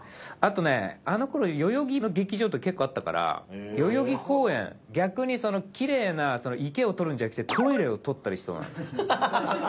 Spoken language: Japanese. あとねあの頃代々木の劇場って結構あったから代々木公園逆にきれいな池を撮るんじゃなくてトイレを撮ったりしそうなの。